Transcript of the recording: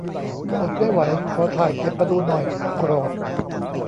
อดไม่ไหว ขอถ่ายเก็บมาดูหน่อย โกรธ